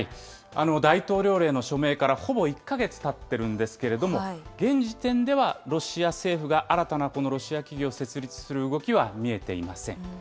大統領令の署名からほぼ１か月たってるんですけれども、現時点ではロシア政府が新たなこのロシア企業を設立する動きは見えていません。